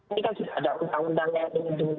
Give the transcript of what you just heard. ini kan juga ada undang undang yang dihitung